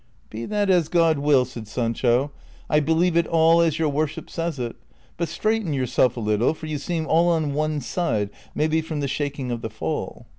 " Be that as God will," said Sancho, " I believe it all as your worship says it ; but straighten yourself a little, for you seem all on one side, maybe from the shaking of the fall."